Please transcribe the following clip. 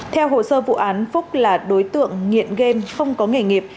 theo hồ sơ vụ án phúc là đối tượng nghiện game không có nghề nghiệp